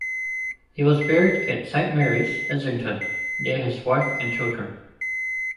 He was buried at Saint Mary's, Islington, near his wife and children.